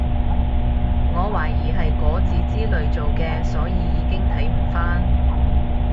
我懷疑係果籽之類做嘅所以已經睇唔返